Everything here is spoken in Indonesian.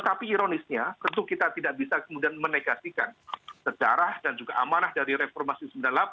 dan ironisnya tentu kita tidak bisa kemudian menegasikan sejarah dan juga amanah dari reformasi sembilan puluh delapan